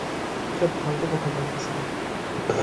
কিসব ফালতু কথা বলতেছেন আপনি।